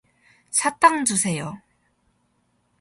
사탕 주세요.